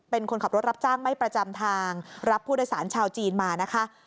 เป็นคนขับรถรับจ้างไม่ประจำทางรับผู้โดยสารชาวจีนมานะคะ